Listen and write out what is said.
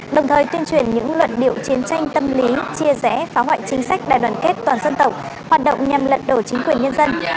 đồng thời tuyên truyền những luận điệu chiến tranh tâm lý chia rẽ phá hoại chính sách đại đoàn kết toàn dân tộc hoạt động nhằm lật đổ chính quyền nhân dân